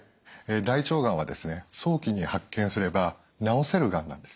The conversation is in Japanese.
大腸がんは早期に発見すれば治せるがんなんです。